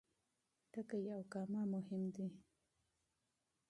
ټکی او کامه مهم دي.